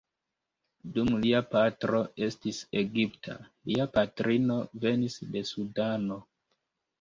Dum lia patro estis Egipta, lia patrino venis de Sudano.